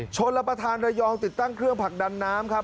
ชนรับประทานระยองติดตั้งเครื่องผลักดันน้ำครับ